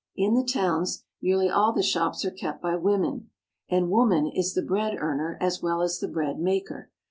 In the towns, nearly all the shops are kept by women, and woman is the bread earner as well as the bread maker.